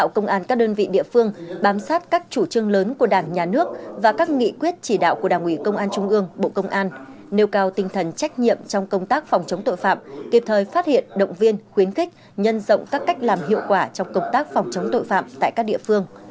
công an các đơn vị địa phương bám sát các chủ trương lớn của đảng nhà nước và các nghị quyết chỉ đạo của đảng ủy công an trung ương bộ công an nêu cao tinh thần trách nhiệm trong công tác phòng chống tội phạm kịp thời phát hiện động viên khuyến khích nhân rộng các cách làm hiệu quả trong công tác phòng chống tội phạm tại các địa phương